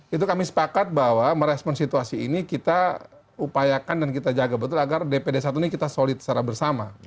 itu kami sepakat bahwa merespon situasi ini kita upayakan dan kita jaga betul agar dpd satu ini kita solid secara bersama